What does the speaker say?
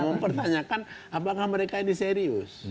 mempertanyakan apakah mereka ini serius